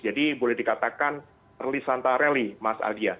jadi boleh dikatakan early santa rally mas adia